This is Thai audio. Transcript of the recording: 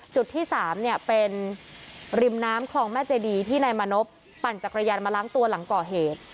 จุดที่๓เนี่ยเป็นริมน้ำคลองแม่เจดีที่นายมานพปั่นจักรยานมาล้างตัวหลังก่อเหตุ